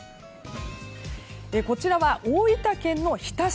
こちらは大分県の日田市。